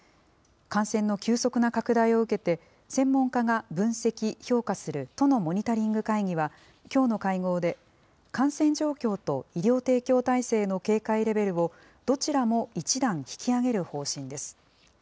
感染の急速な拡大を受けて、専門家が分析、評価する都のモニタリング会議は、きょうの会合で、感染状況と医療提供体制の警戒レベルをどちらも１段引き上げる方針です。